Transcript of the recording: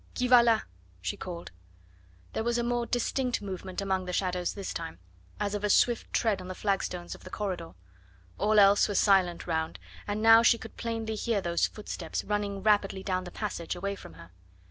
"Qui va la?" she called. There was a more distinct movement among the shadows this time, as of a swift tread on the flagstones of the corridor. All else was silent round, and now she could plainly hear those footsteps running rapidly down the passage away from her.